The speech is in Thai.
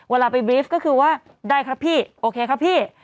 เวลาไปบรีฟก็คือว่าได้ครับพี่โอเคครับพี่